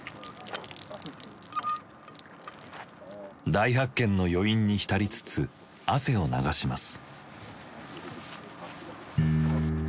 大発見の余韻に浸りつつ汗を流します。